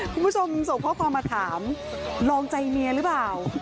คุณผู้ชมส่งข้อความมาถามลองใจเมียหรือเปล่า